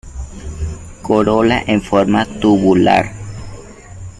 Corola en forma tubular.